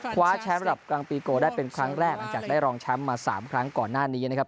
คว้าแชมป์ระดับกลางปีโกได้เป็นครั้งแรกหลังจากได้รองแชมป์มา๓ครั้งก่อนหน้านี้นะครับ